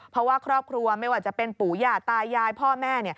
เพราะว่าครอบครัวไม่ว่าจะเป็นปู่ย่าตายายพ่อแม่